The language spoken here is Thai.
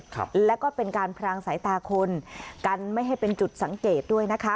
ครับแล้วก็เป็นการพรางสายตาคนกันไม่ให้เป็นจุดสังเกตด้วยนะคะ